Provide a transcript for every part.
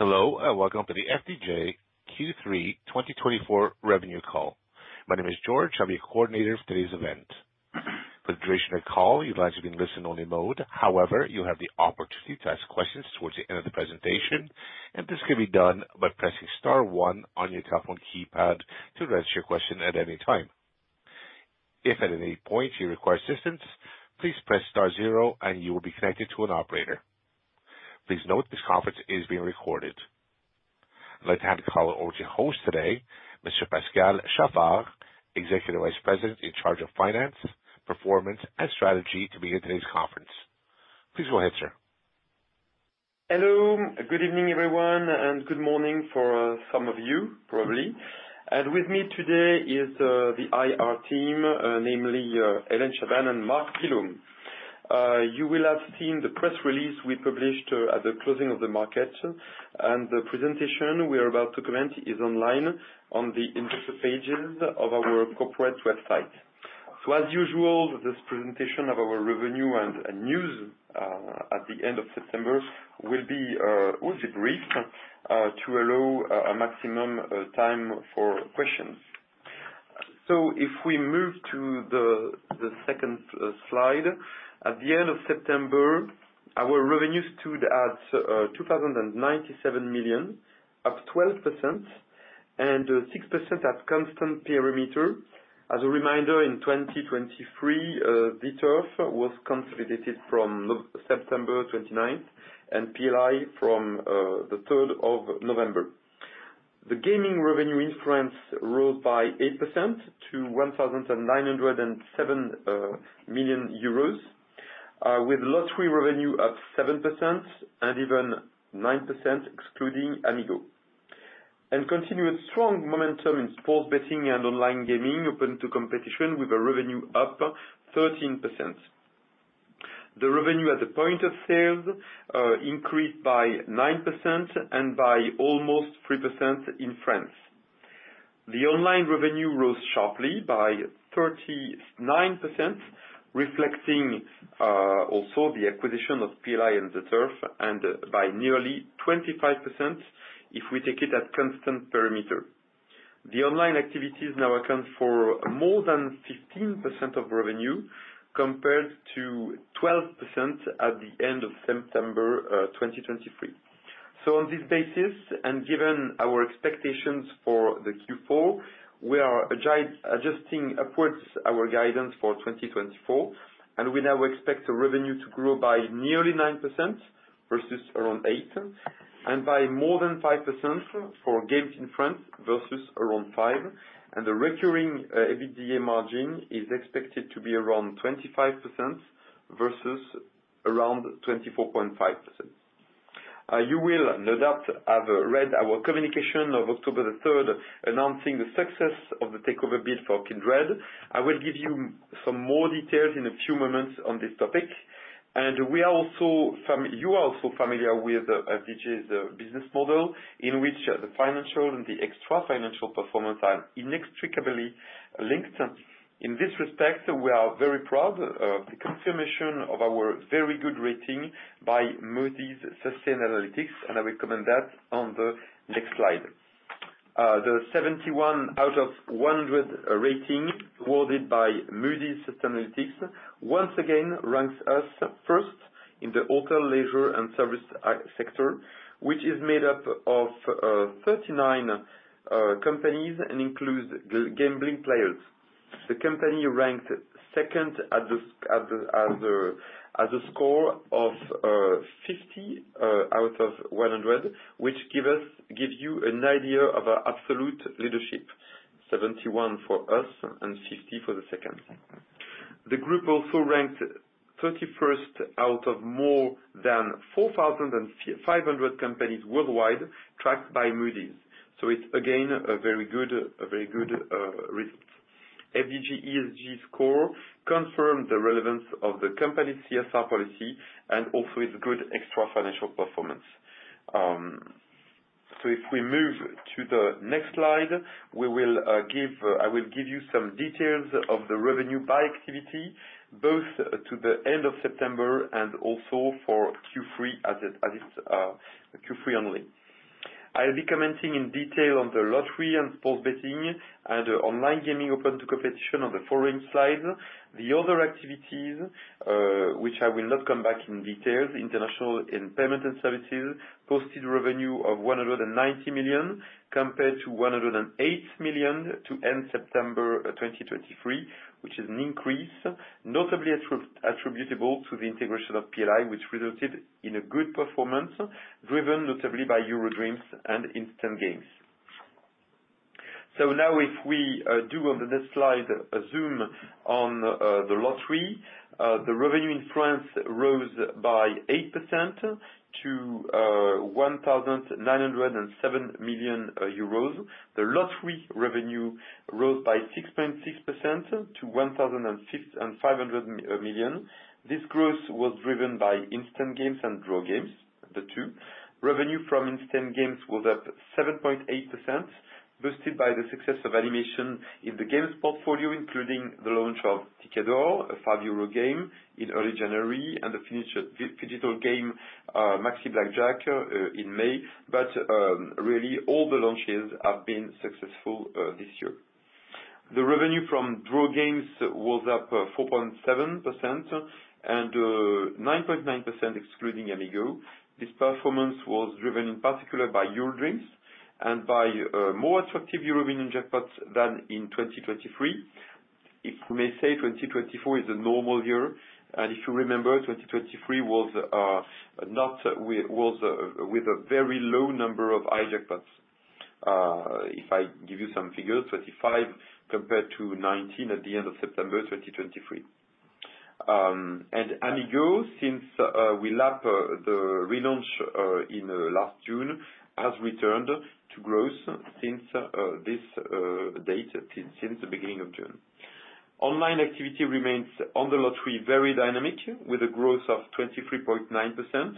Hello, and welcome to the FDJ Q3 2024 revenue call. My name is George, I'll be your coordinator for today's event. For the duration of the call, you'll likely be in listen-only mode. However, you'll have the opportunity to ask questions towards the end of the presentation, and this can be done by pressing star one on your telephone keypad to register your question at any time. If at any point you require assistance, please press star zero and you will be connected to an operator. Please note, this conference is being recorded. I'd like to hand the call over to your host today, Mr. Pascal Chaffard, Executive Vice President in charge of Finance, Performance, and Strategy, to begin today's conference. Please go ahead, sir. Hello. Good evening, everyone, and good morning for, some of you, probably. And with me today is, the IR team, namely, Hélène Chabbane and Marc Willaume. You will have seen the press release we published, at the closing of the market, and the presentation we are about to commence is online on the investor pages of our corporate website. So, as usual, this presentation of our revenue and news, at the end of September will be brief, to allow a maximum time for questions. So if we move to the second slide. At the end of September, our revenue stood at 2,097 million, up 12% and 6% at constant perimeter. As a reminder, in 2023, ZEturf was consolidated from September 29th and PLI from the third of November. The gaming revenue in France rose by 8% to 1,907 million euros with lottery revenue up 7% and even 9% excluding Amigo, and continued strong momentum in sports betting and online gaming open to competition, with a revenue up 13%. The revenue at the point of sale increased by 9% and by almost 3% in France. The online revenue rose sharply by 39%, reflecting also the acquisition of PLI and ZEturf, and by nearly 25% if we take it at constant perimeter. The online activities now account for more than 15% of revenue, compared to 12% at the end of September 2023. On this basis, and given our expectations for the Q4, we are adjusting upwards our guidance for 2024, and we now expect the revenue to grow by nearly 9% versus around 8%, and by more than 5% for games in France versus around 5%. The recurring EBITDA margin is expected to be around 25% versus around 24.5%. You will no doubt have read our communication of October the third, announcing the success of the takeover bid for Kindred. I will give you some more details in a few moments on this topic. You are also familiar with FDJ's business model, in which the financial and the extra financial performance are inextricably linked. In this respect, we are very proud of the confirmation of our very good rating by Moody's System Analytics, and I recommend that on the next slide. The 71 out of 100 rating awarded by Moody's System Analytics once again ranks us first in the hotel, leisure, and service sector, which is made up of 39 companies and includes gambling players. The company ranked second at the score of 50 out of 100, which gives you an idea of our absolute leadership, 71 for us and 60 for the second. The group also ranked 31st out of more than 4,500 companies worldwide, tracked by Moody's. It's again a very good result. FDJ ESG score confirmed the relevance of the company's CSR policy and also its good extra financial performance. So if we move to the next slide, I will give you some details of the revenue by activity, both to the end of September and also for Q3 as it's Q3 only. I'll be commenting in detail on the lottery and sports betting, and online gaming open to competition on the following slide. The other activities, which I will not come back in details, international and payment and services, posted revenue of 190 million, compared to 108 million to end September 2023, which is an increase, notably attributable to the integration of PLI, which resulted in a good performance, driven notably by EuroDreams and Instant Games. Now if we do on the next slide, a zoom on the lottery. The revenue in France rose by 8% to 1,907 million euros. The lottery revenue rose by 6.6% to 1,650 million. This growth was driven by instant games and draw games, the two. Revenue from instant games was up 7.8% boosted by the success of innovation in the games portfolio, including the launch of Ticket d'Or, a EUR 5 game in early January, and the launch of digital game Maxi BlackJack in May. But really, all the launches have been successful this year. The revenue from draw games was up 4.7%, and 9.9% excluding Amigo. This performance was driven in particular by EuroDreams and by more attractive EuroMillions jackpots than in 2023. If we may say 2024 is a normal year, and if you remember, 2023 was with a very low number of high jackpots. If I give you some figures, 35 compared to 19 at the end of September 2023. Amigo, since we lapped the relaunch in last June, has returned to growth since this date, since the beginning of June. Online activity remains on the lottery very dynamic, with a growth of 23.9%,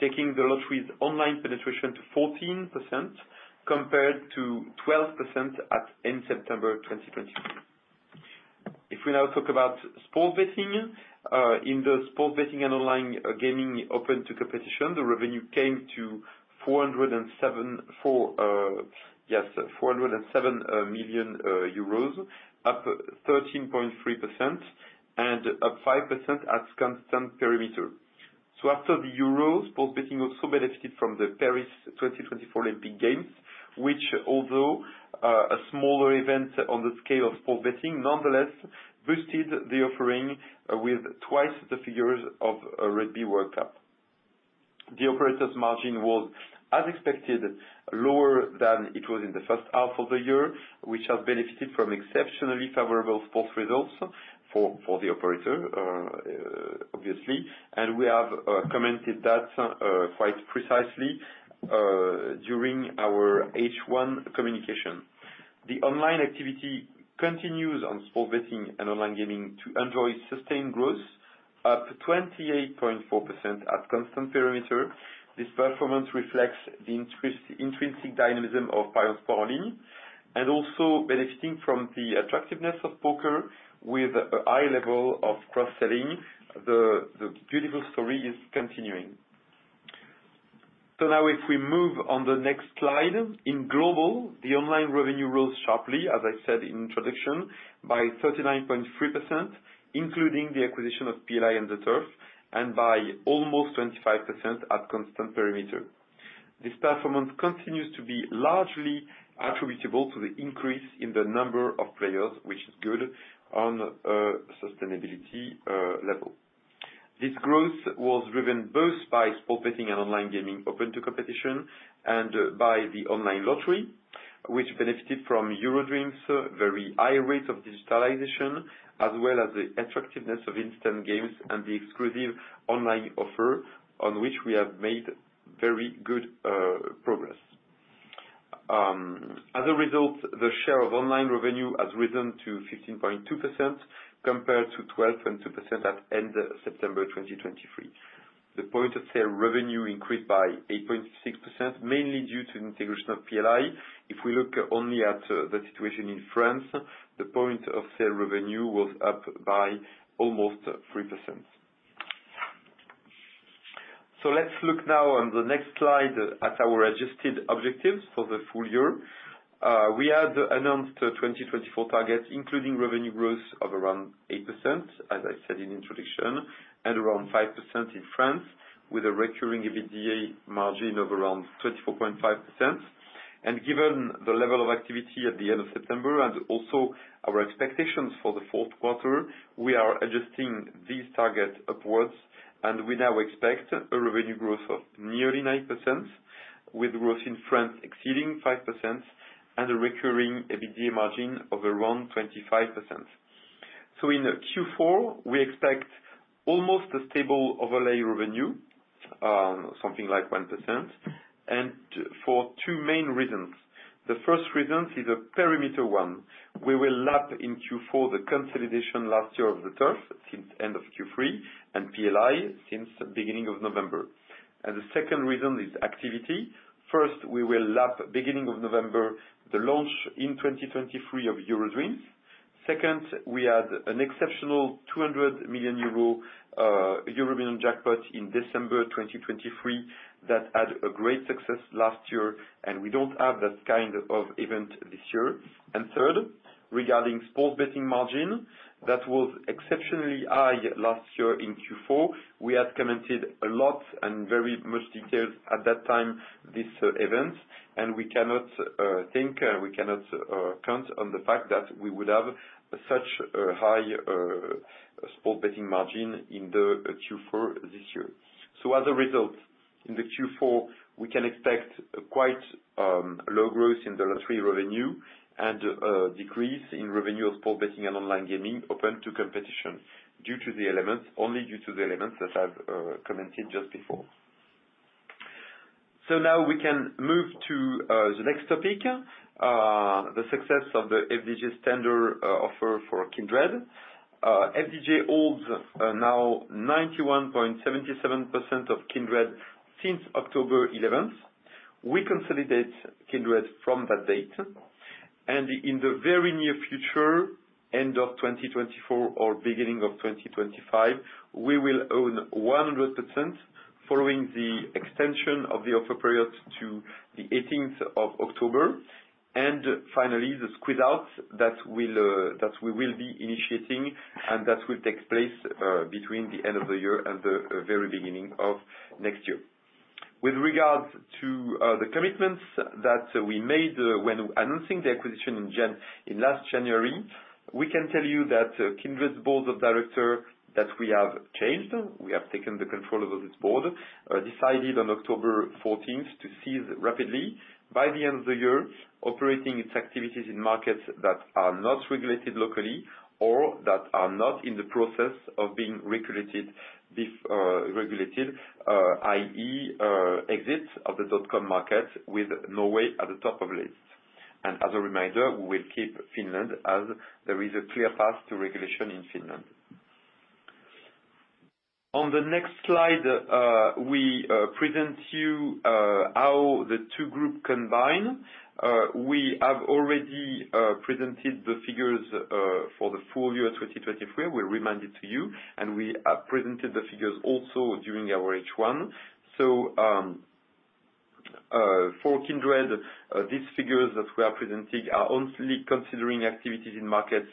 taking the lottery's online penetration to 14% compared to 12% at end September 2020. If we now talk about sports betting, in the sports betting and online gaming open to competition, the revenue came to EUR 407 million, up 13.3% and up 5% at constant perimeter. After the Euros, sports betting also benefited from the Paris 2024 Olympic Games, which, although a smaller event on the scale of sports betting, nonetheless boosted the offering with twice the figures of a Rugby World Cup. The operator's margin was, as expected, lower than it was in the first half of the year, which has benefited from exceptionally favorable sports results for the operator, obviously, and we have commented that quite precisely during our H1 communication. The online activity continues on sports betting and online gaming to enjoy sustained growth, up 28.4% at constant perimeter. This performance reflects the intrinsic dynamism of ParionsSport Online, and also benefiting from the attractiveness of poker with a high level of cross-selling. The beautiful story is continuing. So now, if we move on the next slide. In global, the online revenue rose sharply, as I said in introduction, by 39.3%, including the acquisition of PLI and ZEturf, and by almost 25% at constant perimeter. This performance continues to be largely attributable to the increase in the number of players, which is good on a sustainability level. This growth was driven both by sports betting and online gaming open to competition, and by the online lottery, which benefited from EuroDreams, very high rate of digitalization, as well as the attractiveness of instant games and the exclusive online offer, on which we have made very good progress. As a result, the share of online revenue has risen to 15.2% compared to 12.2% at end September 2023. The point of sale revenue increased by 8.6%, mainly due to integration of PLI. If we look only at the situation in France, the point of sale revenue was up by almost 3%. So let's look now on the next slide at our adjusted objectives for the full year. We had announced 2024 targets, including revenue growth of around 8%, as I said in introduction, and around 5% in France, with a recurring EBITDA margin of around 24.5%. And given the level of activity at the end of September and also our expectations for the fourth quarter, we are adjusting this target upwards, and we now expect a revenue growth of nearly 9%, with growth in France exceeding 5% and a recurring EBITDA margin of around 25%. So in Q4, we expect almost a stable overlay revenue, something like 1%, and for two main reasons. The first reason is a perimeter one. We will lap in Q4, the consolidation last year of ZEturf since end of Q3 and PLI since beginning of November. And the second reason is activity. First, we will lap, beginning of November, the launch in 2023 of EuroDreams. Second, we had an exceptional 200 million euro jackpot in December 2023. That had a great success last year, and we don't have that kind of event this year. And third, regarding sports betting margin, that was exceptionally high last year in Q4. We had commented a lot and very much details at that time, this event, and we cannot count on the fact that we would have such a high sports betting margin in the Q4 this year. As a result, in the Q4, we can expect quite low growth in the lottery revenue and decrease in revenue of sports betting and online gaming open to competition, due to the elements, only due to the elements that I've commented just before. So now we can move to the next topic, the success of the FDJ standard offer for Kindred. FDJ holds now 91.77% of Kindred. Since October 11th, we consolidate Kindred from that date, and in the very near future, end of 2024 or beginning of 2025, we will own 100% following the extension of the offer period to the 18th of October, and finally, the squeeze out that we'll, that we will be initiating, and that will take place, between the end of the year and the, very beginning of next year. With regards to the commitments that we made when announcing the acquisition in last January, we can tell you that Kindred's Board of Directors that we have changed, we have taken the control of this board decided on October 14th to cease rapidly by the end of the year operating its activities in markets that are not regulated locally or that are not in the process of being regulated this regulated i.e. exit of the dotcom market with Norway at the top of list. As a reminder, we will keep Finland as there is a clear path to regulation in Finland. On the next slide we present you how the two group combine. We have already presented the figures for the full year 2023. We'll remind it to you, and we have presented the figures also during our H1. For Kindred, these figures that we are presenting are only considering activities in markets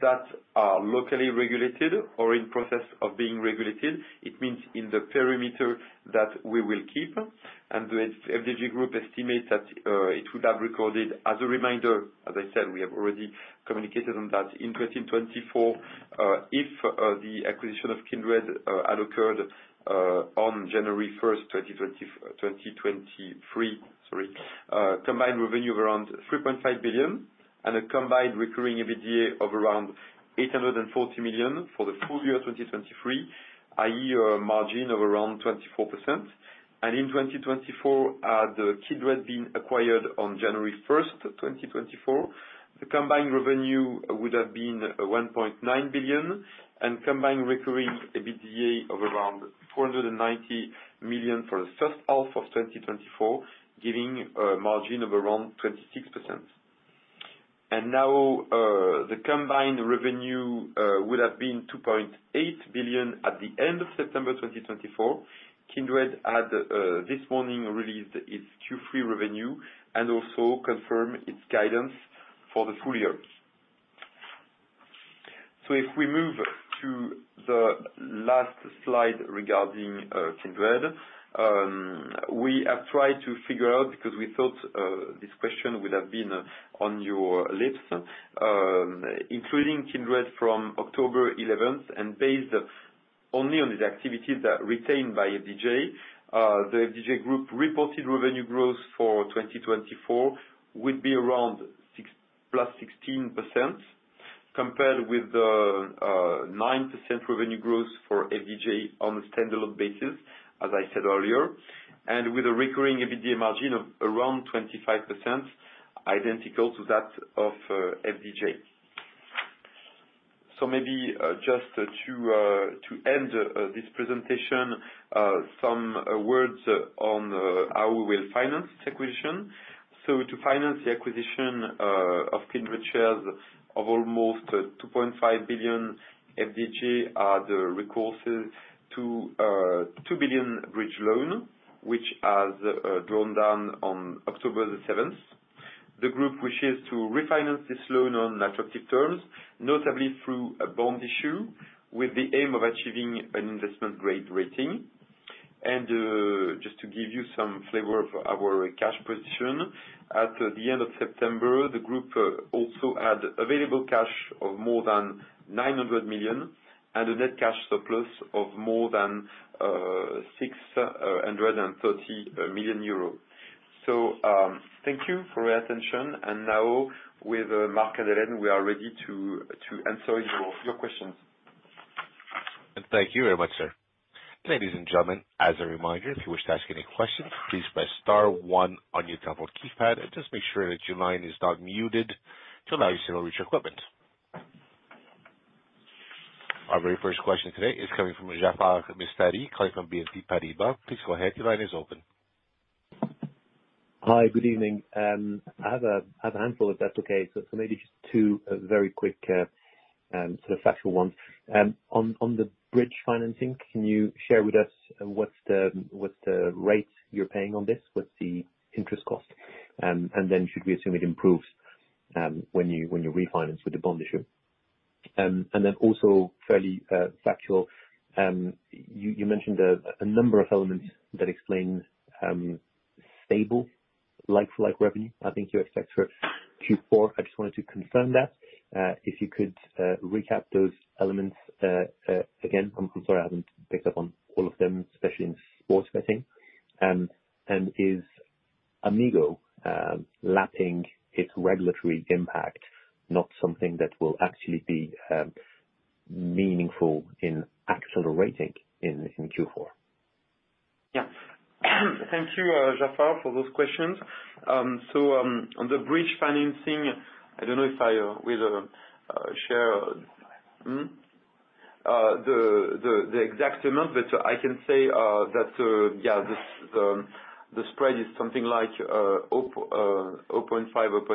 that are locally regulated or in process of being regulated. It means in the perimeter that we will keep, and the FDJ Group estimates that it would have recorded, as a reminder, as I said, we have already communicated on that, in 2024, if the acquisition of Kindred had occurred on January first, 2023, sorry, combined revenue of around 3.5 billion and a combined recurring EBITDA of around 840 million for the full year 2023, i.e., a margin of around 24%. In 2024, the Kindred being acquired on January 1st 2024, the combined revenue would have been 1.9 billion, and combined recurring EBITDA of around 490 million for the first half of 2024, giving a margin of around 26%. Now, the combined revenue would have been 2.8 billion at the end of September 2024. Kindred had this morning released its Q3 revenue and also confirmed its guidance for the full year. So if we move to the last slide regarding Kindred, we have tried to figure out, because we thought this question would have been on your lips, including Kindred from October 11, and based only on the activities that retained by FDJ, the FDJ group reported revenue growth for 2024 would be around +16%, compared with the 9% revenue growth for FDJ on a standalone basis, as I said earlier, and with a recurring EBITDA margin of around 25%, identical to that of FDJ. So maybe just to end this presentation, some words on how we will finance the acquisition. So to finance the acquisition of Kindred shares of almost 2.5 billion, FDJ are the recourses to 2 billion bridge loan, which has drawn down on October 7th. The group wishes to refinance this loan on attractive terms, notably through a bond issue, with the aim of achieving an investment grade rating. And just to give you some flavor of our cash position, at the end of September, the group also had available cash of more than 900 million and a net cash surplus of more than 630 million euros. So thank you for your attention. And now, with Marc and Hélène, we are ready to answer your questions. Thank you very much, sir. Ladies and gentlemen, as a reminder, if you wish to ask any questions, please press star one on your telephone keypad and just make sure that your line is not muted to allow us to reach equipment. Our very first question today is coming from Jaafar Mestari coming from BNP Paribas. Please go ahead, your line is open. Hi, good evening. I have a handful, if that's okay. So, maybe just two very quick, sort of factual ones. On the bridge financing, can you share with us what's the rate you're paying on this? What's the interest cost? And then should we assume it improves when you refinance with the bond issue? And then also fairly factual, you mentioned a number of elements that explain stable like-for-like revenue. I think you expect for Q4. I just wanted to confirm that. If you could recap those elements again, I'm sorry, I haven't picked up on all of them, especially in sports betting. Is Amigo lapping its regulatory impact, not something that will actually be meaningful in actual rating in Q4? Yeah. Thank you, Jaafar, for those questions. So, on the bridge financing, I don't know if I will share the exact amount, but I can say that yeah, this the spread is something like 0.5, 0.6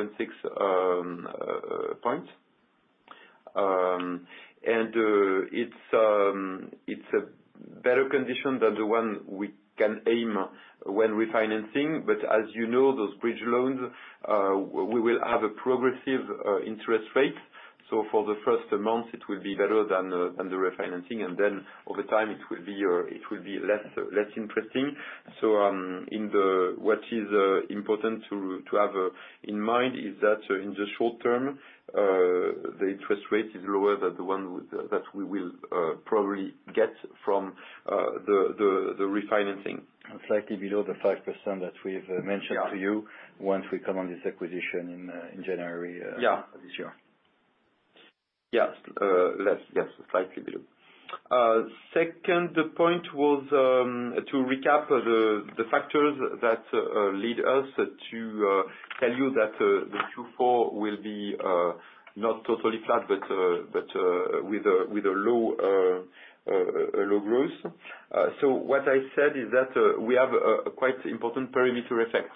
point. It's a better condition than the one we can aim when refinancing, but as you know, those bridge loans we will have a progressive interest rate. So for the first month, it will be better than the refinancing, and then over time, it will be less interesting. What is important to have in mind is that, in the short term, the interest rate is lower than the one that we will probably get from the refinancing. Slightly below the 5% that we've mentioned to you once we come on this acquisition in January this year. Yes, less, yes, slightly below. Second, the point was to recap the factors that lead us to tell you that the Q4 will be not totally flat, but with a low growth. So what I said is that we have a quite important perimeter effect.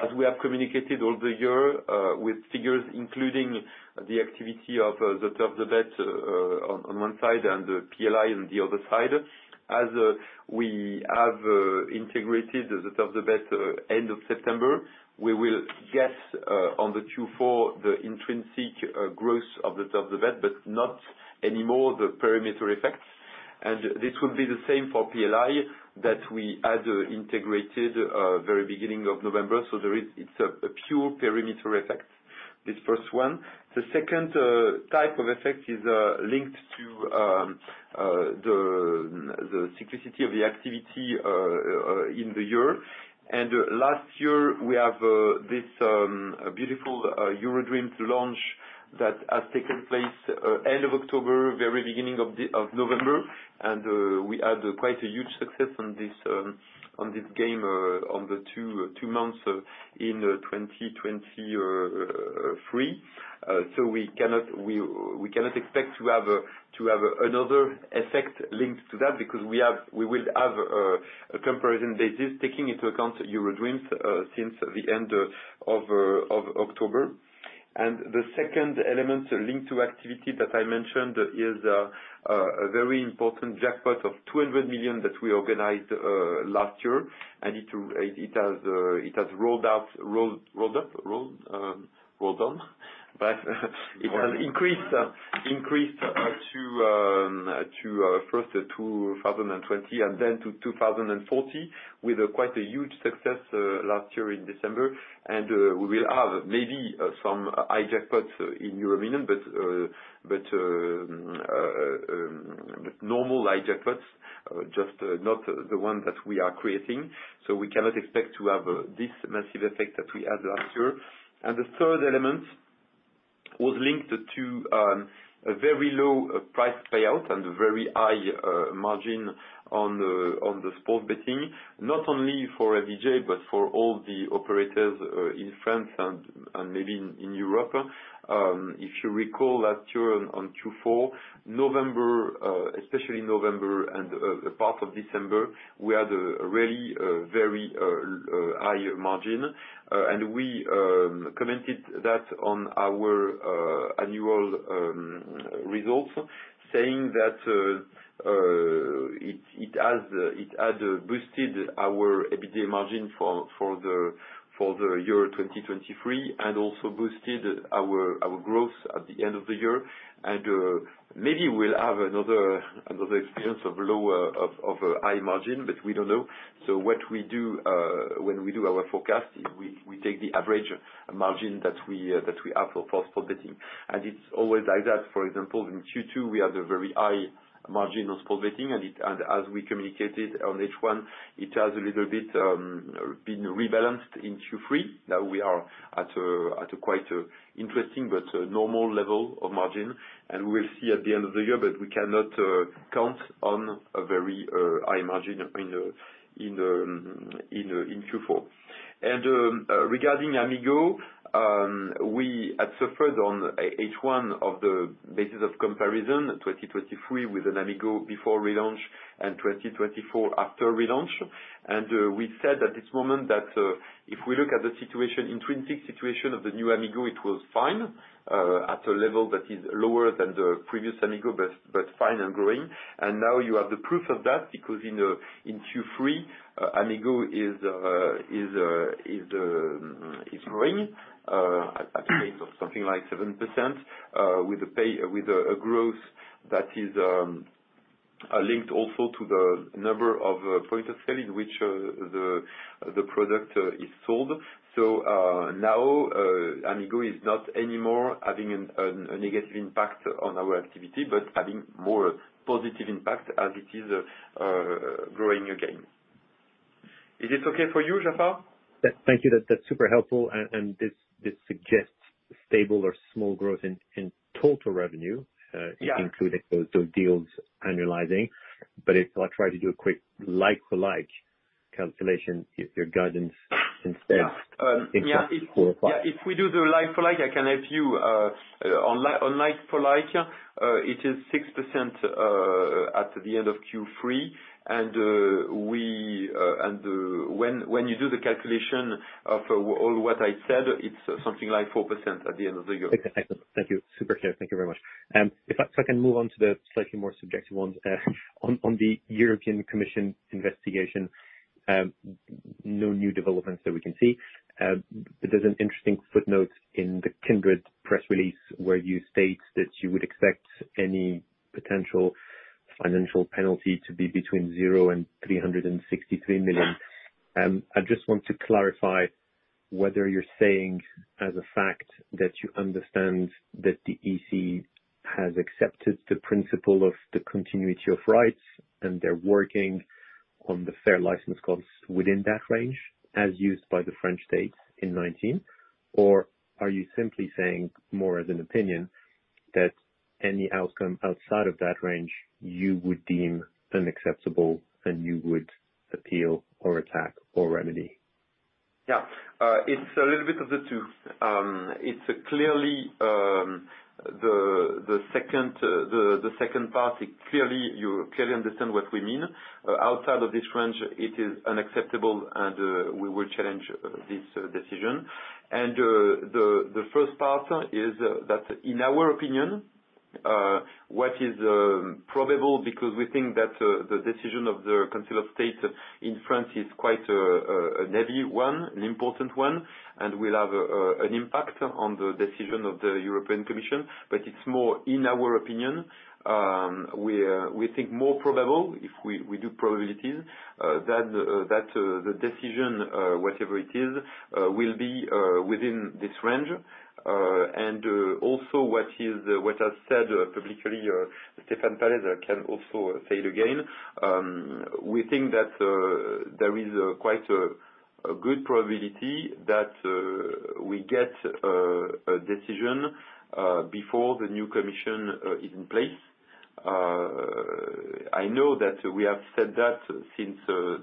As we have communicated over the year, with figures including the activity of ZEbet on one side and the PLI on the other side. As we have integrated ZEbet end of September, we will get on the Q4 the intrinsic growth of ZEbet, but not anymore the perimeter effects. And this will be the same for PLI, that we had integrated very beginning of November, so it's a pure perimeter effect, this first one. The second type of effect is linked to the cyclicity of the activity in the year. And last year, we have this beautiful EuroDreams launch that has taken place end of October, very beginning of November. And we had quite a huge success on this on this game on the two months in 2023. So we cannot we cannot expect to have a to have another effect linked to that because we have we will have a comparison basis, taking into account EuroDreams since the end of of October. The second element linked to activity that I mentioned is a very important jackpot of 12 million that we organized last year. It has rolled over. It has increased first to 2020 and then to 2040 with quite a huge success last year in December. We will have maybe some high jackpots in EuroMillions, but normal high jackpots just not the one that we are creating. We cannot expect to have this massive effect that we had last year. And the third element was linked to a very low price payout and very high margin on the sports betting, not only for FDJ, but for all the operators in France and maybe in Europe. If you recall last year on Q4, November, especially November and a part of December, we had a really very high margin. And we commented that on our annual results, saying that it had boosted our EBITDA margin for the year 2023, and also boosted our growth at the end of the year. And maybe we'll have another experience of a high margin, but we don't know. What we do, when we do our forecast is we take the average margin that we have for sports betting, and it's always like that. For example, in Q2, we have the very high margin on sports betting, and it and as we communicated on H1, it has a little bit been rebalanced in Q3. Now we are at a quite interesting but normal level of margin, and we'll see at the end of the year, but we cannot count on a very high margin in Q4. And regarding Amigo, we had suffered on H1 of the basis of comparison, 2023, with Amigo before relaunch and 2024 after relaunch. We said at this moment that if we look at the situation, intrinsic situation of the new Amigo, it was fine at a level that is lower than the previous Amigo, but fine and growing. Now you have the proof of that, because in Q3, Amigo is growing at a rate of something like 7%, with a pace, a growth that is linked also to the number of points of sale in which the product is sold. Now Amigo is not anymore having a negative impact on our activity, but having more positive impact as it is growing again. Is this okay for you, Jaafar? Yeah. Thank you. That's super helpful, and this suggests stable or small growth in total revenue including those deals annualizing. But if I try to do a quick like-for-like calculation if your guidance instead exactly four or five. Yeah, if we do the like for like, I can help you. On like for like, it is 6% at the end of Q3, and when you do the calculation of all what I said, it's something like 4% at the end of the year. Okay. Thank you. Thank you. Super clear. Thank you very much. If I can move on to the slightly more subjective ones. On the European Commission investigation, no new developments that we can see, but there's an interesting footnote in the Kindred press release, where you state that you would expect any potential financial penalty to be between 0 and 363 million. I just want to clarify whether you're saying, as a fact, that you understand that the EC has accepted the principle of the continuity of rights, and they're working on the fair license costs within that range, as used by the French state in 2019? Or are you simply saying, more as an opinion, that any outcome outside of that range, you would deem unacceptable, and you would appeal or attack or remedy? Yeah. It's a little bit of the two. It's clearly the second part, it clearly. You clearly understand what we mean. Outside of this range, it is unacceptable, and we will challenge this decision. And the first part is that, in our opinion, what is probable, because we think that the decision of the Council of State in France is quite a heavy one, an important one, and will have an impact on the decision of the European Commission, but it's more, in our opinion, we think more probable, if we do probabilities, that the decision, whatever it is, will be within this range. And also, what I said publicly, Stéphane Pallez can also say it again. We think that there is quite a good probability that we get a decision before the new commission is in place. I know that we have said that since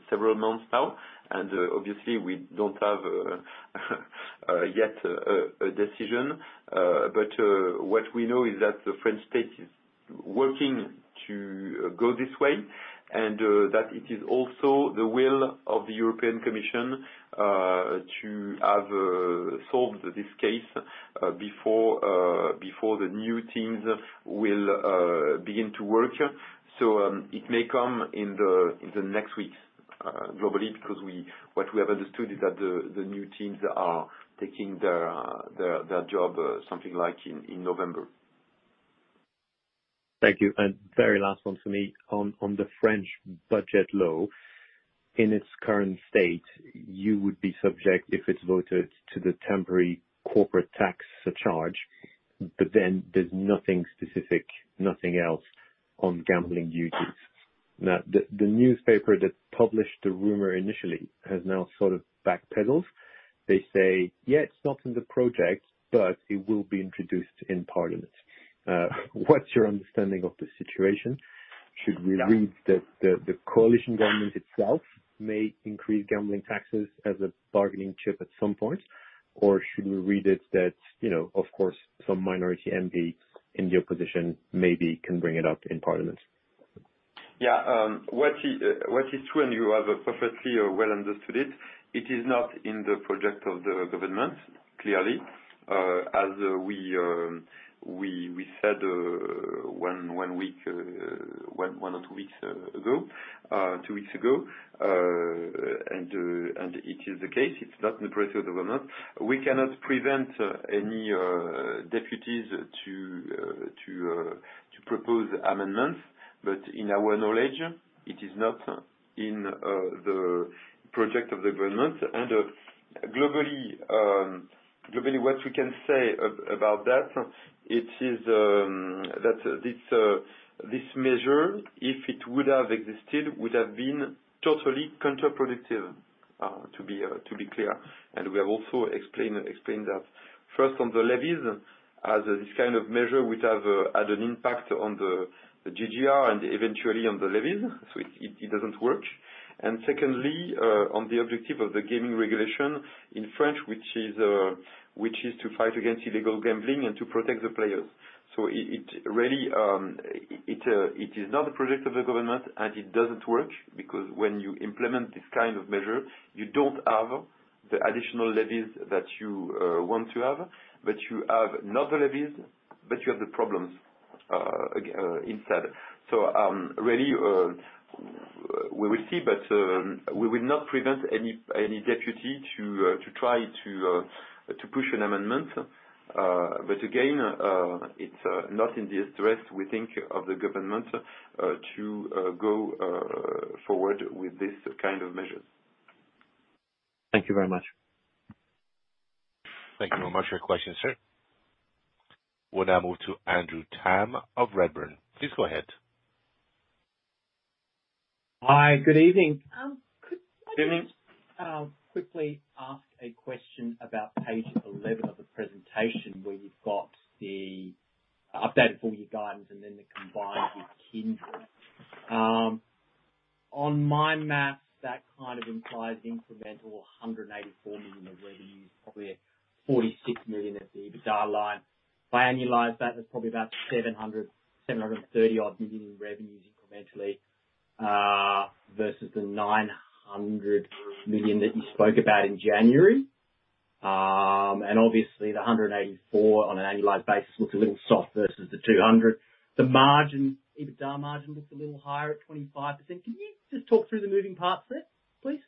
several months now, and obviously we don't have yet a decision, but what we know is that the French state is working to go this way, and that it is also the will of the European Commission to have solved this case before the new teams will begin to work. It may come in the next weeks globally, because what we have understood is that the new teams are taking their job something like in November. Thank you. And very last one for me. On the French budget law, in its current state, you would be subject, if it's voted, to the temporary corporate tax surcharge, but then there's nothing specific, nothing else on gambling duties. Now, the newspaper that published the rumor initially has now sort of backpedaled. They say, "Yeah, it's not in the project, but it will be introduced in parliament." What's your understanding of the situation? Should we read that the coalition government itself may increase gambling taxes as a bargaining chip at some point, or should we read it that, you know, of course, some minority MP in the opposition maybe can bring it up in parliament? Yeah. What is true, and you have perfectly or well understood it, it is not in the project of the government, clearly. As we said one or two weeks ago, and it is the case, it's not in the best interest of the government. We cannot prevent any deputies to propose amendments, but in our knowledge, it is not in the project of the government. And globally, what we can say about that, it is that this measure, if it would have existed, would have been totally counterproductive to be clear, and we have also explained that. First, on the levies, as this kind of measure would have had an impact on the GGR and eventually on the levies, so it doesn't work. And secondly, on the objective of the gaming regulation in France, which is to fight against illegal gambling and to protect the players. So it really is not a project of the government, and it doesn't work, because when you implement this kind of measure, you don't have the additional levies that you want to have, but you have not the levies, but you have the problems instead. So really, we will see, but we will not prevent any deputy to try to push an amendment. But again, it's not in the interest, we think, of the government to go forward with this kind of measures. Thank you very much. Thank you very much for your question, sir. We'll now move to Andrew Tam of Redburn. Please go ahead. Hi, good evening. Quickly ask a question about Page 11 of the presentation, where you've got the updated full year guidance, and then the combined with Kindred. On my math, that kind of implies incremental 184 million of revenues, probably 46 million at the EBITDA line. If I annualize that, that's probably about 730 odd million in revenues incrementally, versus the 900 million that you spoke about in January. And obviously, the 184 million on an annualized basis looks a little soft versus the 200 million. The margin, EBITDA margin, looks a little higher at 25%. Can you just talk through the moving parts there, please?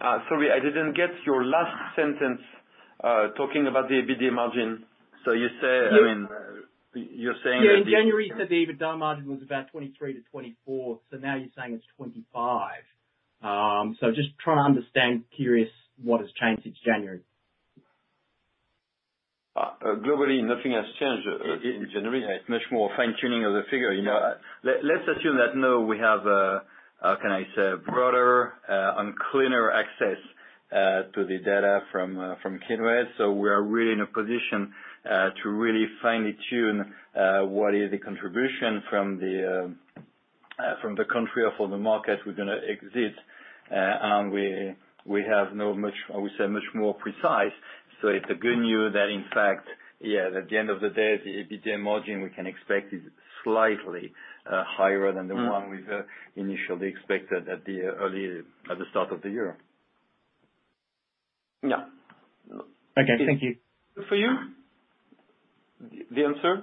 Sorry, I didn't get your last sentence, talking about the EBITDA margin. So you say- I mean, you're saying that. Yeah, in January, you said the EBITDA margin was about 23%-24%, so now you're saying it's 25%. So just trying to understand, curious what has changed since January. Globally, nothing has changed in January. It's much more fine-tuning of the figure. You know, let's assume that now we have a, can I say, broader and cleaner access to the data from Kindred. So we are really in a position to really finely tune what is the contribution from the country or from the market we're gonna exit. And we have now much, I would say much more precise. So it's good news that, in fact, yeah, at the end of the day, the EBITDA margin we can expect is slightly higher than the one we initially expected at the early, at the start of the year. Yeah. Okay, thank you. For you? The answer.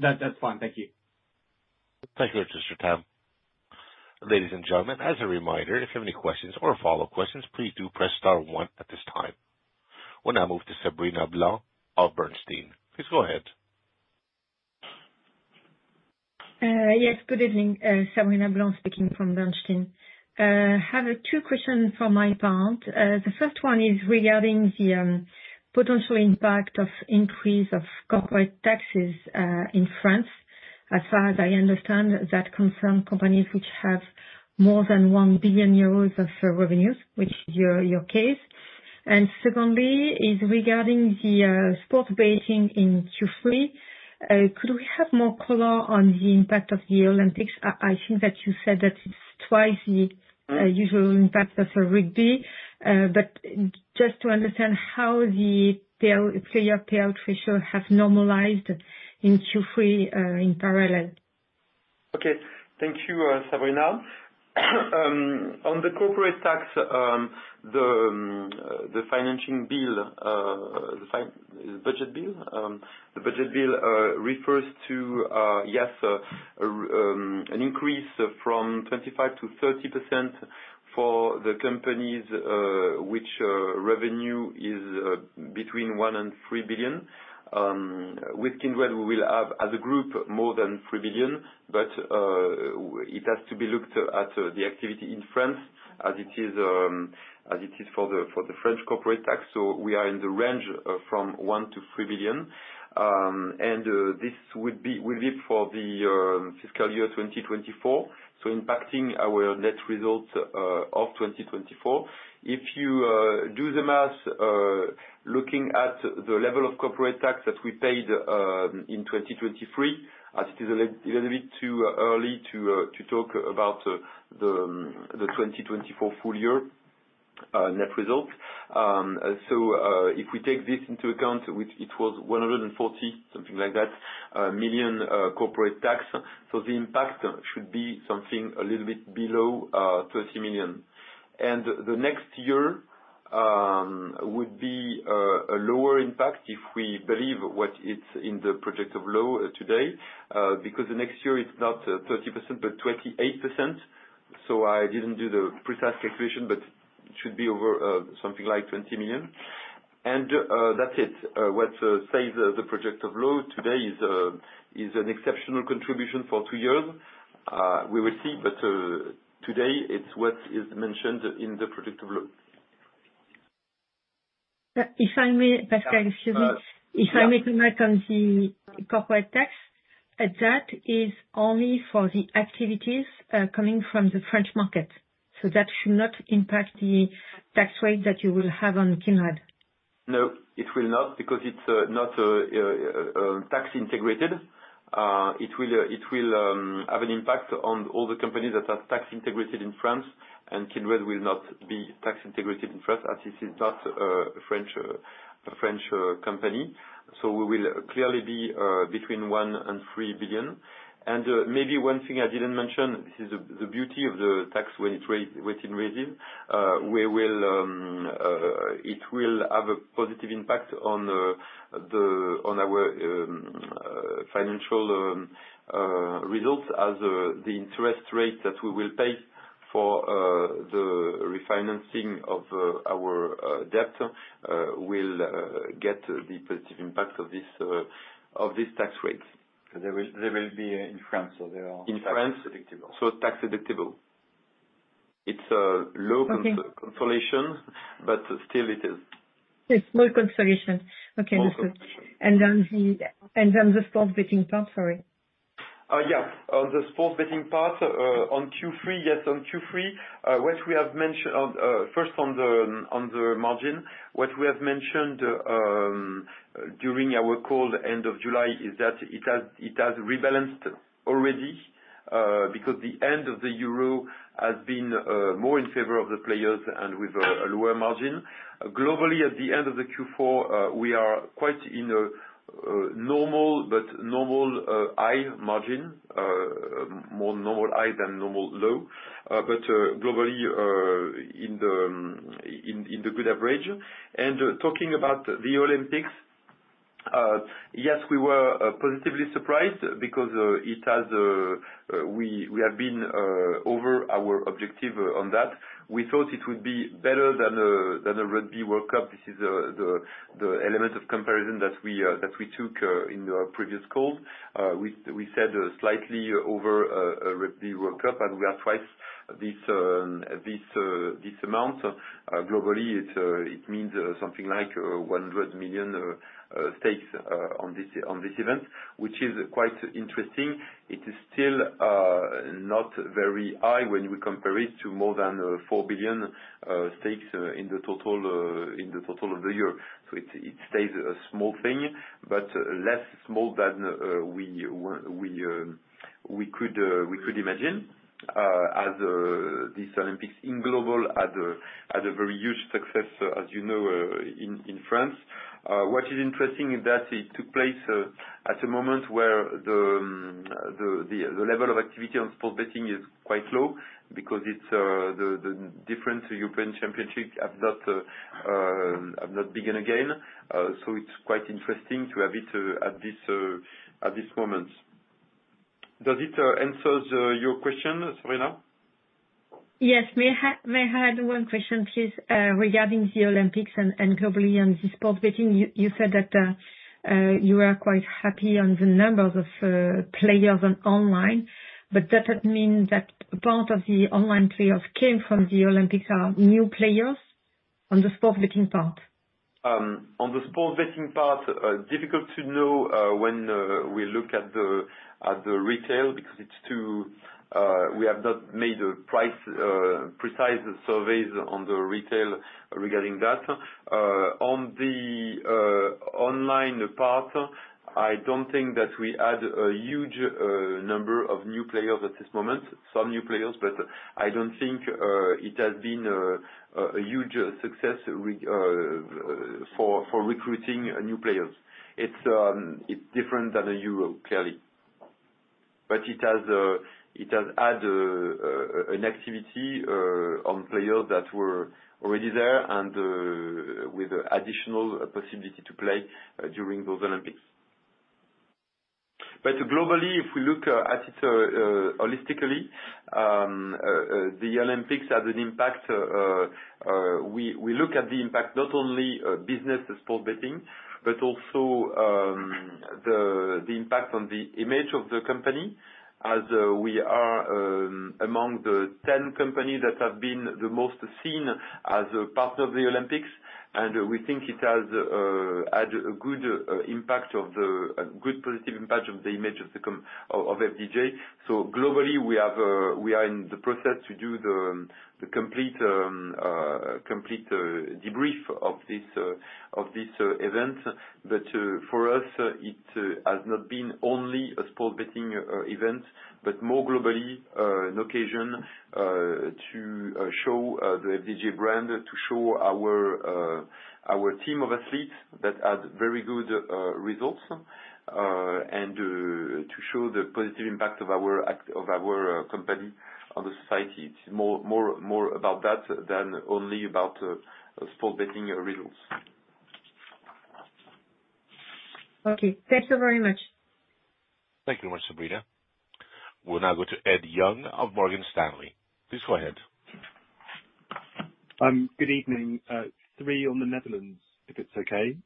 That's fine. Thank you. Thank you, Mr. Tam. Ladies and gentlemen, as a reminder, if you have any questions or follow-up questions, please do press star one at this time. We'll now move to Sabrina Blanc of Bernstein. Please go ahead. Yes, good evening, Sabrina Blanc speaking from Bernstein. I have two questions from my part. The first one is regarding the potential impact of increase of corporate taxes in France. As far as I understand, that concerns companies which have more than 1 billion euros of revenues, which is your case. And secondly, regarding the sports betting in Q3, could we have more color on the impact of the Olympics? I think that you said that it's twice the usual impact of rugby. But just to understand how the player payout ratio has normalized in Q3, in parallel. Okay. Thank you, Sabrina. On the corporate tax, the budget bill refers to, yes, an increase from 25%-30% for the companies, which revenue is between 1 billion-3 billion. With Kindred, we will have, as a group, more than 3 billion, but it has to be looked at, the activity in France as it is, as it is for the French corporate tax. So we are in the range from 1 billion-3 billion. And this would be, will be for the fiscal year 2024, so impacting our net results of 2024. If you do the math, looking at the level of corporate tax that we paid in 2023, as it is a little bit too early to talk about the 2024 full year net results. So, if we take this into account, which it was 140 million, something like that, million corporate tax, so the impact should be something a little bit below 30 million. And the next year would be a lower impact if we believe what is in the project of law today, because the next year it's not 30% but 28%. So I didn't do the precise calculation, but it should be over something like 20 million. And that's it. What says the predictive low today is an exceptional contribution for two years. We will see, but today it's what is mentioned in the predictive low. If I may, Pascal, excuse me. Yeah. If I may comment on the corporate tax, that is only for the activities, coming from the French market, so that should not impact the tax rate that you will have on Kindred. No, it will not, because it's not tax integrated. It will have an impact on all the companies that are tax integrated in France, and Kindred will not be tax integrated in France, as it is not a French company. So we will clearly be between 1 billion and 3 billion. And maybe one thing I didn't mention, this is the beauty of the tax rate-weighting regime. It will have a positive impact on our financial results, as the interest rate that we will pay for the refinancing of our debt will get the positive impact of this tax rate. They will be in France. So tax deductible. It's a low consolation, but still it is. It's more consolation. Okay, that's good. Then the sports betting part, sorry. Yeah, on the sports betting part, on Q3, what we have mentioned first on the margin during our call end of July is that it has rebalanced already, because the end of the Euro has been more in favor of the players and with a lower margin. Globally, at the end of the Q4, we are quite in a normal high margin. More normal high than normal low, but globally in the good average. And talking about the Olympics, yes, we were positively surprised because we have been over our objective on that. We thought it would be better than a Rugby World Cup. This is the element of comparison that we took in our previous call. We said slightly over a Rugby World Cup, and we are twice this amount. Globally, it means something like 100 million stakes on this event, which is quite interesting. It is still not very high when we compare it to more than 4 billion stakes in the total of the year. So it stays a small thing, but less small than we could imagine, as this Olympics in global had a very huge success, as you know, in France. What is interesting is that it took place at a moment where the level of activity on sports betting is quite low because it's the different European championships have not begun again. So it's quite interesting to have it at this moment. Does it answer your question, Sabrina? Yes, may I add one question, please, regarding the Olympics and globally on the sports betting? You said that you are quite happy on the numbers of players on online, but does it mean that part of the online players came from the Olympics are new players on the sports betting part? On the sports betting part, difficult to know when we look at the retail because it's too- we have not made a price precise surveys on the retail regarding that. On the online part, I don't think that we add a huge number of new players at this moment. Some new players, but I don't think it has been a huge success for recruiting new players. It's different than the Euro, clearly. But it has had an activity on players that were already there and with additional possibility to play during those Olympics. But globally, if we look at it holistically, the Olympics has an impact. We look at the impact not only business sports betting but also the impact on the image of the company, as we are among the 10 companies that have been the most seen as a part of the Olympics, and we think it has had a good positive impact of the image of the company of FDJ. So globally, we are in the process to do the complete debrief of this event. But, for us, it has not been only a sports betting event, but more globally, an occasion to show the FDJ brand, to show our team of athletes that had very good results, and to show the positive impact of our act- of our company on the society. It's more, more, more about that than only about sports betting results. Okay. Thank you very much. Thank you very much, Sabrina. We'll now go to Ed Young of Morgan Stanley. Please go ahead. Good evening. Three on the Netherlands, if it's okay.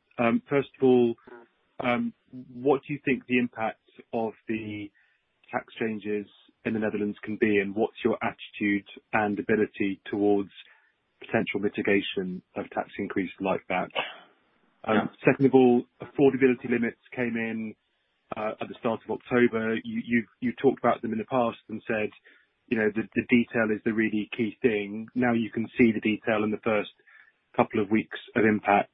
First of all, what do you think the impact of the tax changes in the Netherlands can be, and what's your attitude and ability towards potential mitigation of tax increase like that? Second of all, affordability limits came in at the start of October. You talked about them in the past and said, you know, the detail is the really key thing. Now, you can see the detail in the first couple of weeks of impact.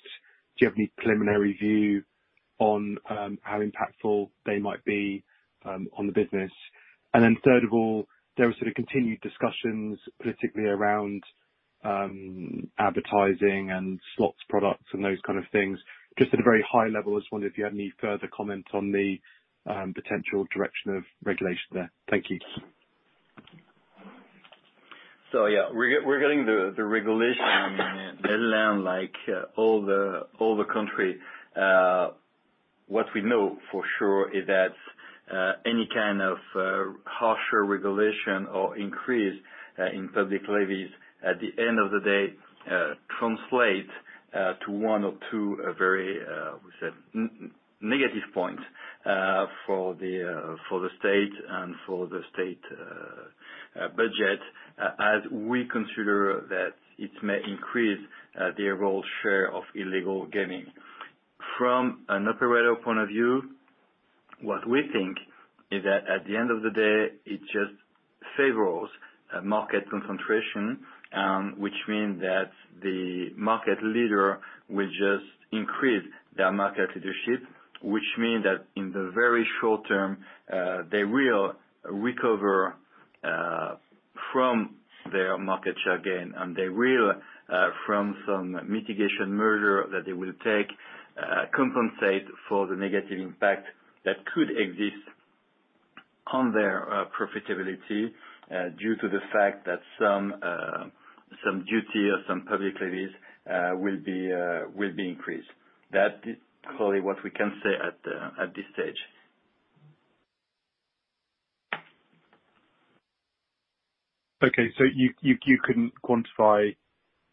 Do you have any preliminary view on how impactful they might be on the business? And then third of all, there are sort of continued discussions politically around advertising and slots products and those kind of things. Just at a very high level, I was wondering if you had any further comments on the potential direction of regulation there. Thank you. Yeah, we're getting the regulation in Netherlands like all the country. What we know for sure is that any kind of harsher regulation or increase in public levies, at the end of the day, translate to one or two very negative points for the state and for the state budget, as we consider that it may increase the overall share of illegal gaming. From an operator point of view, what we think is that at the end of the day, it just favors a market concentration, which means that the market leader will just increase their market leadership, which means that in the very short term, they will recover from their market share gain, and they will from some mitigation measure that they will take compensate for the negative impact that could exist on their profitability due to the fact that some duty or some public levies will be increased. That is clearly what we can say at this stage. Okay, so you couldn't quantify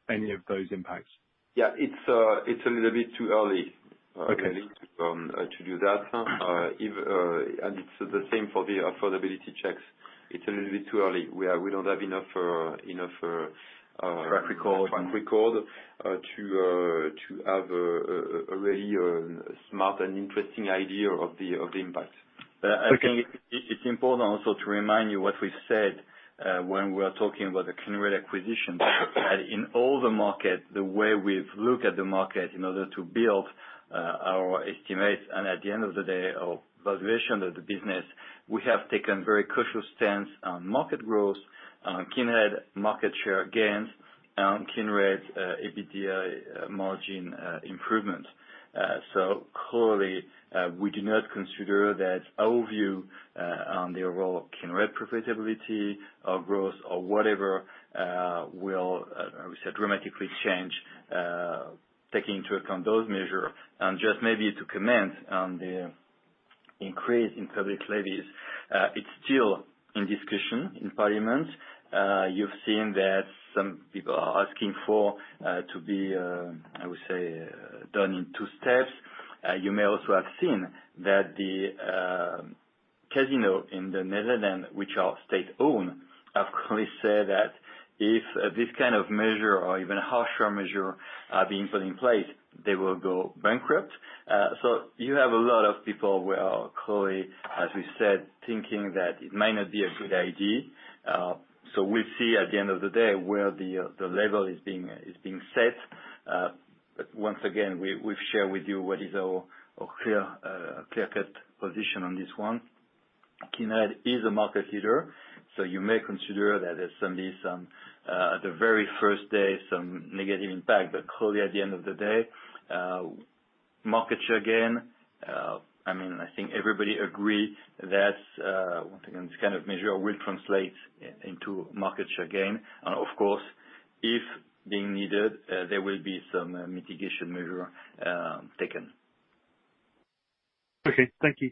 any of those impacts? Yeah, it's a little bit too early to do that. And it's the same for the affordability checks. It's a little bit too early. We are, we don't have enough track record, to have a really smart and interesting idea of the impact. I think it's important also to remind you what we've said, when we were talking about the Kindred acquisition, that in all the market, the way we've looked at the market in order to build, our estimates and at the end of the day, our valuation of the business, we have taken a very crucial stance on market growth, on Kindred market share gains, and Kindred's, EBITDA margin, improvement. So clearly, we do not consider that our view, on the role of Kindred profitability or growth or whatever, will say, dramatically change, taking into account those measure. And just maybe to comment on the increase in public levies, it's still in discussion in parliament. You've seen that some people are asking for, to be, I would say, done in two steps. You may also have seen that the casino in the Netherlands, which are state-owned, have clearly said that if this kind of measure or even harsher measure are being put in place, they will go bankrupt. So you have a lot of people who are clearly, as we said, thinking that it might not be a good idea. So we'll see at the end of the day where the level is being set. But once again, we, we've shared with you what is our clear-cut position on this one. Kindred is a market leader, so you may consider that there's certainly some, at the very first day, some negative impact, but clearly at the end of the day, market share again, I mean, I think everybody agree that, once again, this kind of measure will translate into market share again. And of course, if being needed, there will be some mitigation measure taken. Okay, thank you.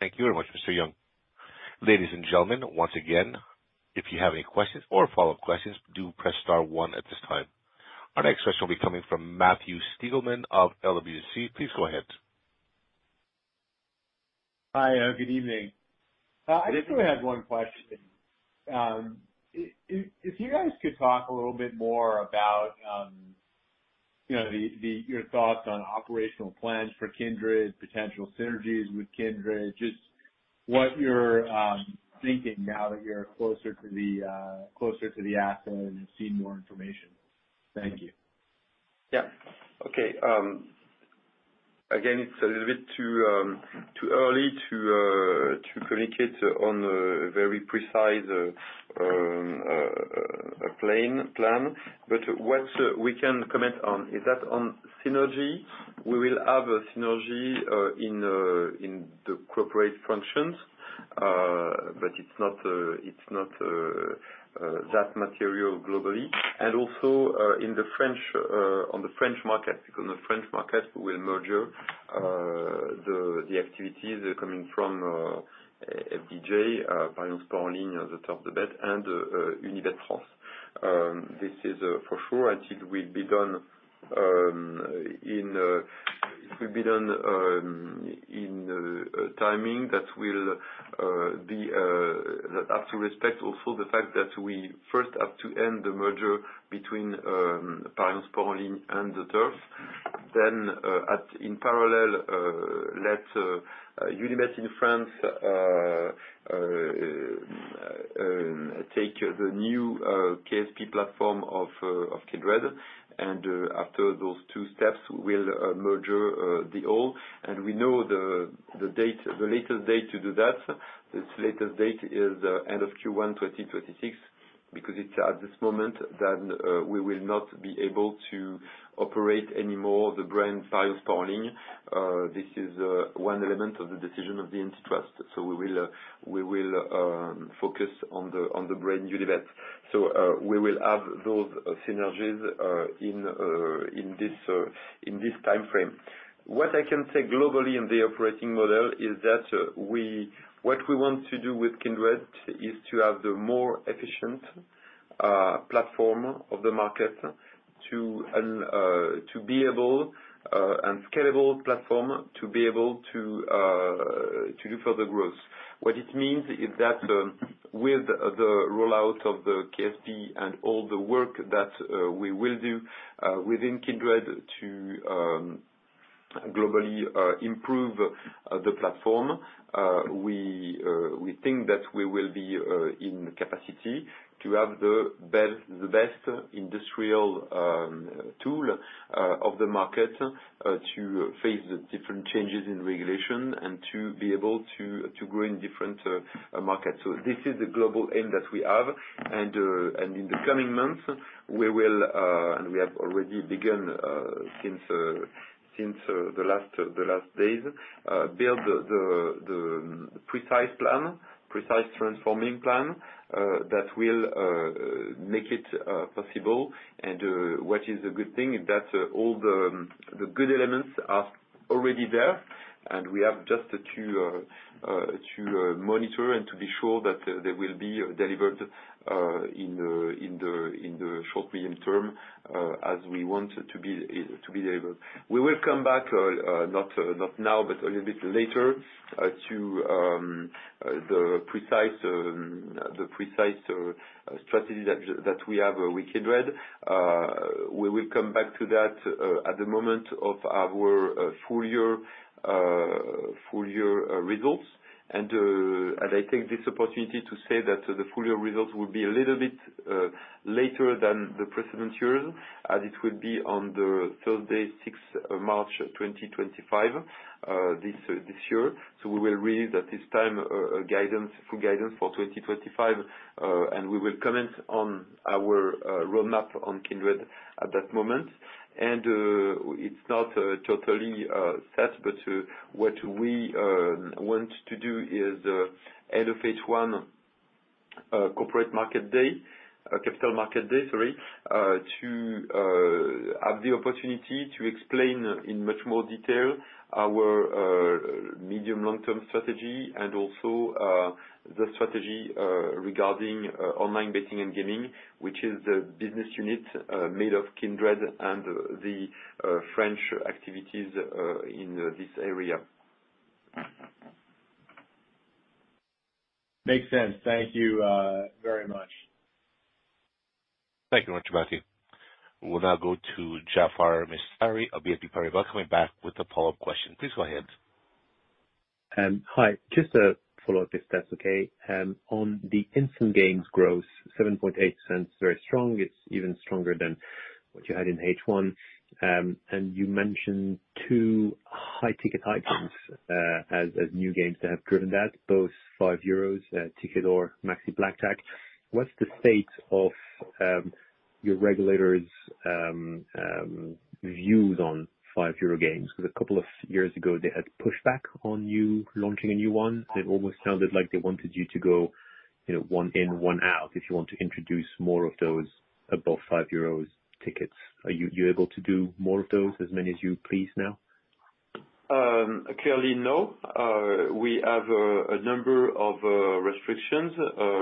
Thank you very much, Mr. Young. Ladies and gentlemen, once again, if you have any questions or follow-up questions, do press star one at this time. Our next question will be coming from Matthew Stieglitz of LWC. Please go ahead. Hi, good evening. I just only had one question. If you guys could talk a little bit more about, you know, your thoughts on operational plans for Kindred, potential synergies with Kindred, just what you're thinking now that you're closer to the asset and seeing more information. Thank you. Yeah. Okay, again, it's a little bit too early to communicate on a very precise plan, but what we can comment on is that on synergy, we will have a synergy in the corporate functions, but it's not that material globally. Also, in the French, on the French market, because on the French market, we will merge the activities coming from FDJ, ParionsSport Online, ZEbet, and Unibet France. This is for sure, and it will be done in a timing that will have to respect also the fact that we first have to end the merger between ParionsSport Online and ZEturf. Then, in parallel, let Unibet in France take the new KSP platform of Kindred, and after those two steps, we'll merge the all. And we know the latest date to do that, this latest date is end of Q1 2026, because it's at this moment that we will not be able to operate anymore the brand ParionsSport Online. This is one element of the decision of the antitrust, so we will focus on the brand, Unibet. So we will have those synergies in this timeframe. What I can say globally in the operating model is that what we want to do with Kindred is to have the more efficient platform of the market to, and to be able, and scalable platform to be able to do further growth. What it means is that, with the rollout of the KSP and all the work that we will do within Kindred to globally improve the platform, we think that we will be in capacity to have the best industrial tool of the market to face the different changes in regulation and to be able to grow in different markets. So this is the global aim that we have. And in the coming months, we will and we have already begun since the last days build the precise plan, precise transforming plan that will make it possible. What is a good thing is that all the good elements are already there, and we have just to monitor and to be sure that they will be delivered in the short, medium term, as we want to be able. We will come back, not now, but a little bit later, to the precise strategy that we have with Kindred. We will come back to that at the moment of our full year results. I take this opportunity to say that the full year results will be a little bit later than the previous years, as it will be on Thursday 6th March 2025, this year. We will release at this time guidance, full guidance for 2025. We will comment on our roadmap on Kindred at that moment. It's not totally set, but what we want to do is end of H1 Capital Market Day, sorry, to have the opportunity to explain in much more detail our medium long-term strategy and also the strategy regarding online betting and gaming, which is the business unit made of Kindred and the French activities in this area. Makes sense. Thank you, very much. Thank you very much, Matthew. We'll now go to Jaafar Mestari of BNP Paribas, coming back with a follow-up question. Please go ahead. Hi. Just a follow-up, if that's okay. On the instant games growth, 7.8%, very strong. It's even stronger than what you had in H1. And you mentioned two high-ticket items, as new games that have driven that, both 5 euros, Ticket d'Or, Maxi BlackJack. What's the state of your regulators' views on 5 euro games? Because a couple of years ago, they had pushed back on you launching a new one. It almost sounded like they wanted you to go, you know, one in, one out, if you want to introduce more of those above 5 euros tickets. Are you able to do more of those, as many as you please now? Clearly, no. We have a number of restrictions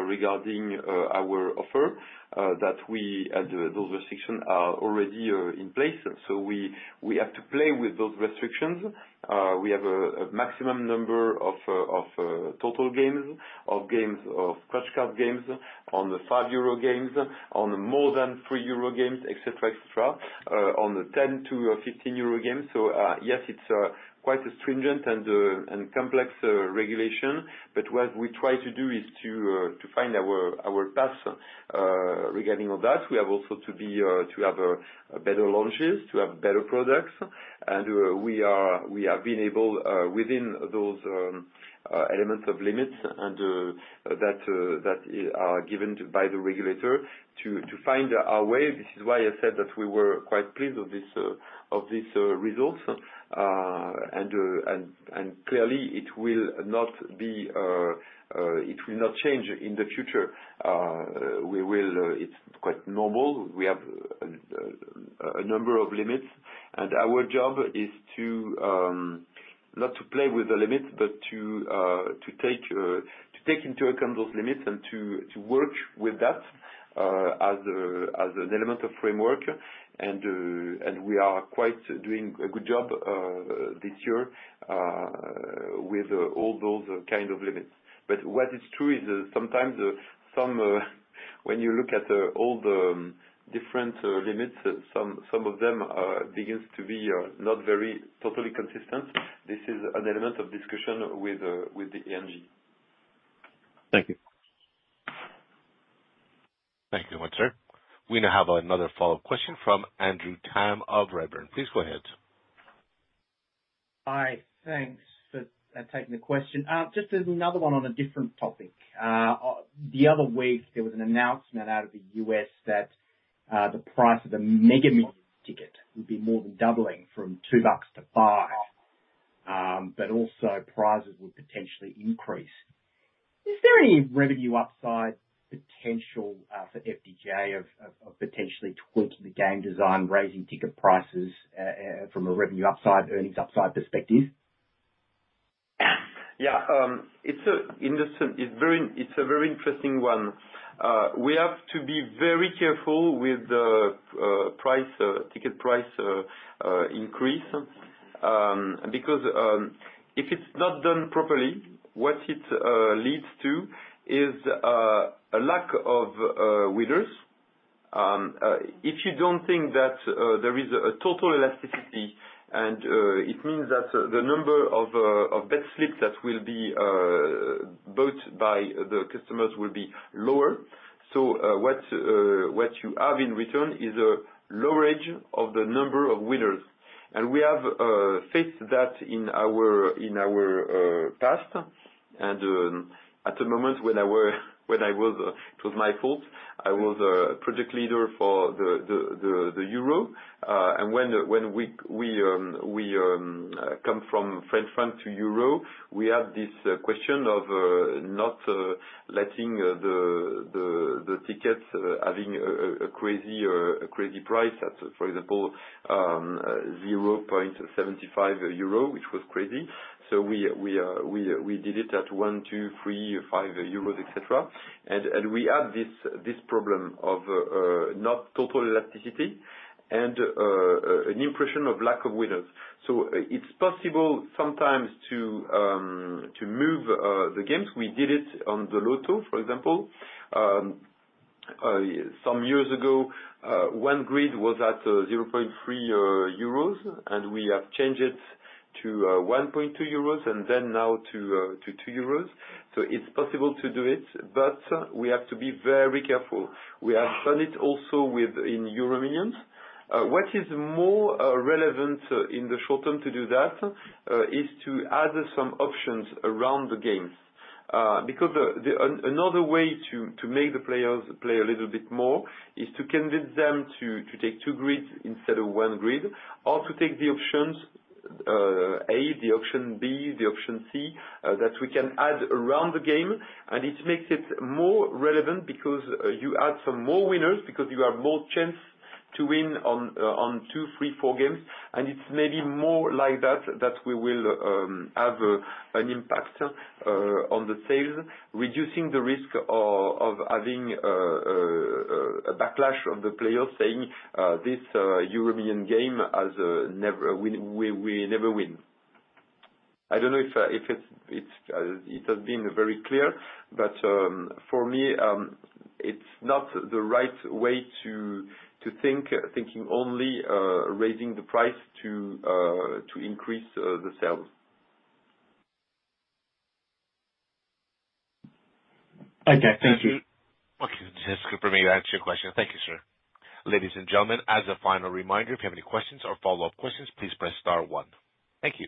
regarding our offer that those restrictions are already in place, so we have to play with those restrictions. We have a maximum number of total games of scratch card games on the 5 euro games, on the more than 3 euro games, et cetera, et cetera, on the 10-15 euro games. So, yes, it's quite a stringent and complex regulation, but what we try to do is to find our path regarding all that. We have also to have better launches, to have better products. And we are. We have been able, within those elements of limits and that are given by the regulator, to find our way. This is why I said that we were quite pleased of this result. And clearly it will not be. It will not change in the future. We will. It's quite normal. We have a number of limits, and our job is to not play with the limits, but to take into account those limits and to work with that as an element of framework. And we are quite doing a good job this year with all those kind of limits. But what is true is that sometimes, some, when you look at all the different limits, some of them begins to be not very totally consistent. This is an element of discussion with the ANJ. Thank you. Thank you once, sir. We now have another follow-up question from Andrew Tam of Redburn. Please go ahead. Hi, thanks for taking the question. Just another one on a different topic. The other week, there was an announcement out of the U.S. that the price of the Mega Millions ticket would be more than doubling from $2-$5, but also prizes would potentially increase. Is there any revenue upside potential for FDJ of potentially tweaking the game design, raising ticket prices from a revenue upside, earnings upside perspective? Yeah, it's a very interesting one. We have to be very careful with the ticket price increase because if it's not done properly, what it leads to is a lack of winners. If you don't think that there is a total elasticity and it means that the number of bet slips that will be bought by the customers will be lower. So what you have in return is a low range of the number of winners. And we have faced that in our past. And at the moment when I was, it was my fault, I was a project leader for the Euro. And when we come from French franc to Euro, we had this question of not letting the tickets having a crazy price at, for example, 0.75 euro, which was crazy. So we did it at 1, 2, 3, 5 euros, et cetera. And we had this problem of not total elasticity and an impression of lack of winners. So it's possible sometimes to move the games. We did it on the lotto, for example. Some years ago, one grid was at 0.3 euros, and we have changed it to 1.2 euros and then now to 2 euros. It's possible to do it, but we have to be very careful. We have done it also within EuroMillions. What is more relevant in the short term to do that is to add some options around the games. Because another way to make the players play a little bit more is to convince them to take two grids instead of one grid, or to take the options A, the option B, the option C that we can add around the game. And it makes it more relevant because you add some more winners, because you have more chance to win on two, three, four games. It's maybe more like that, that we will have an impact on the sales, reducing the risk of having a backlash on the players, saying, "This EuroMillions game has never. We never win." I don't know if it has been very clear, but for me, it's not the right way to think, thinking only raising the price to increase the sales. Okay, thank you. Okay, it's good for me to answer your question. Thank you, sir. Ladies and gentlemen, as a final reminder, if you have any questions or follow-up questions, please press star one. Thank you.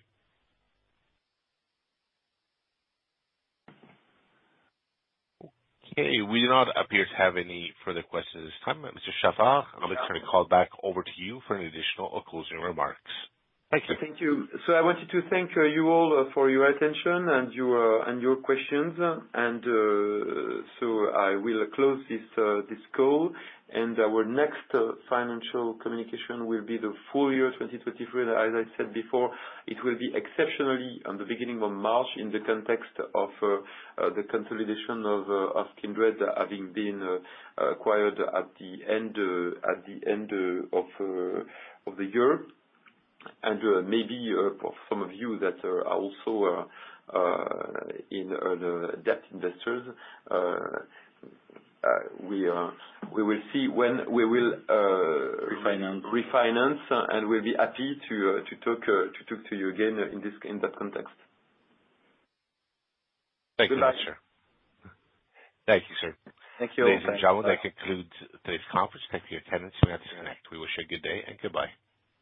Okay, we do not appear to have any further questions at this time. Mr. Chaffard, I'd like to call back over to you for any additional or closing remarks. Thank you. Thank you. I wanted to thank you all for your attention and your questions. I will close this call. Our next financial communication will be the full year 2023. As I said before, it will be exceptionally on the beginning of March, in the context of the consolidation of Kindred, having been acquired at the end of the year. Maybe for some of you that are also debt investors, we will see when we will refinance, and we'll be happy to talk to you again in this, in that context. Thank you, sir. Good luck. Thank you, sir. Thank you all. Ladies and gentlemen, that concludes today's conference. Thank you for your attendance and we wish you a good day and goodbye.